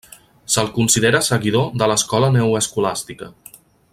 Se'l considera seguidor de l'escola neoescolàstica.